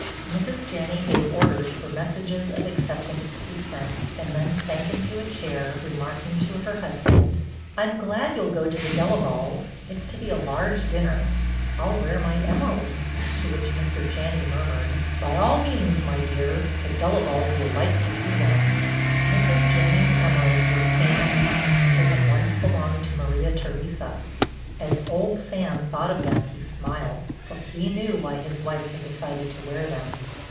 Mrs. Janney gave orders for messages of acceptance to be sent, then sank into a chair, remarking to her husband: "I'm glad you'll go to the Delavalles. It's to be a large dinner. I'll wear my emeralds." To which Mr. Janney murmured: "By all means, my dear. The Delavalles will like to see them." Mrs. Janney's emeralds were famous; they had once belonged to Maria Theresa. As old Sam thought of them he smiled, for he knew why his wife had decided to wear them.